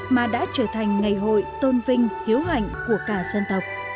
mà đã trở thành ngày hội tôn vinh hiếu hạnh của cả dân tộc